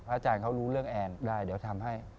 อาจารย์เขารู้เรื่องแอนได้เดี๋ยวทำให้